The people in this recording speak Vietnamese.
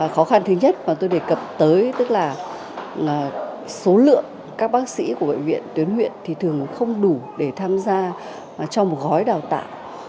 khó khăn thứ nhất mà tôi đề cập tới tức là số lượng các bác sĩ của bệnh viện tuyến huyện thì thường không đủ để tham gia cho một gói đào tạo